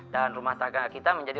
dan rumah tangga kita menjadi